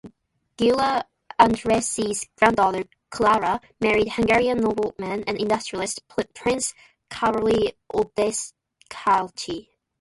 Gyula Andrassy's granddaughter, Klara, married the Hungarian nobleman and industrialist Prince Karoly Odescalchi.